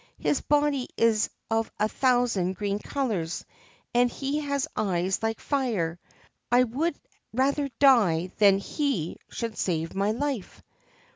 ' His body is of a thousand green colours, and he has eyes like fire. I would rather die than that he should save my life.